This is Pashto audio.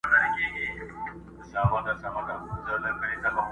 پر خپل قول درېدل خوی د مېړه دی.!